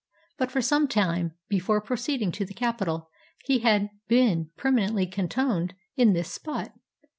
But for some time before proceeding to the capital he had been permanently "cantoned" in this spot.